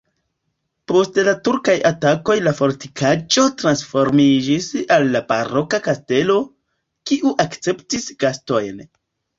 Post la turkaj atakoj la fortikaĵo transformiĝis al baroka kastelo, kiu akceptis gastojn.